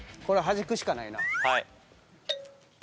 これはじくしかないな。